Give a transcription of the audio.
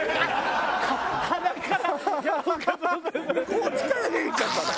こっちから出てきちゃったの？